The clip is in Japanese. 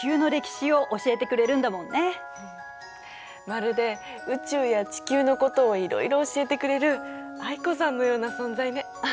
まるで宇宙や地球のことをいろいろ教えてくれる藍子さんのような存在ね。